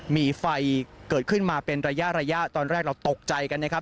มีไฟเกิดขึ้นมาเป็นระยะระยะตอนแรกเราตกใจกันนะครับ